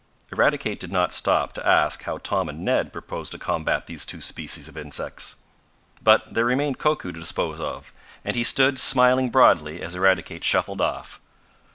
Eradicate did not stop to ask how Tom and Ned proposed to combat these two species of insects. But there remained Koku to dispose of, and he stood smiling broadly as Eradicate shuffled off.